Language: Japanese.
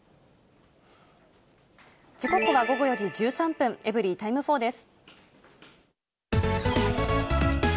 時刻は午後４時１３分、エブリィタイム４です。